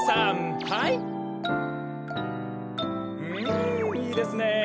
うんいいですね。